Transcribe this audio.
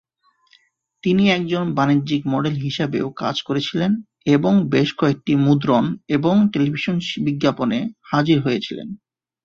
তিনি একজন বাণিজ্যিক মডেল হিসাবেও কাজ করেছিলেন এবং বেশ কয়েকটি মুদ্রণ এবং টেলিভিশন বিজ্ঞাপনে হাজির হয়েছিলেন।